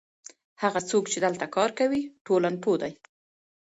هغه څوک چې دلته کار کوي ټولنپوه دی.